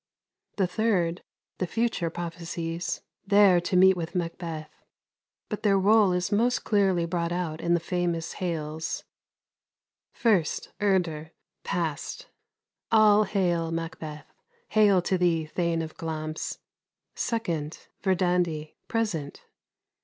The third, the future prophesies: 'There to meet with Macbeth.'" But their rôle is most clearly brought out in the famous "Hails": 1st. Urda. [Past.] All hail, Macbeth! hail to thee, Thane of Glamis! 2nd. Verdandi. [Present.